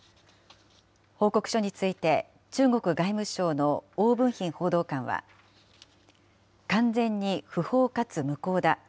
報告書について中国外務省の汪文斌報道官は、完全に不法かつ無効だ。